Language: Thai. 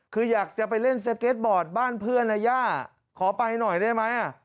คืออยากจะไปเล่นสเก็ตบอร์ดบ้านเพื่อนนะย่าขอไปหน่อยได้ไหม